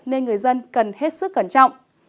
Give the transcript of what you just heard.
nên người dân cần hết sức cẩn trọng